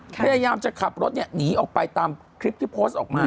พยายามจะขับรถหนีออกไปตามคลิปที่โพสต์ออกมา